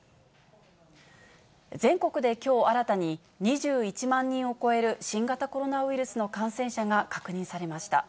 全国できょう、新たに２１万人を超える新型コロナウイルスの感染者が確認されました。